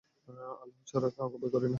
আল্লাহ ছাড়া কাউকে ভয় করে না।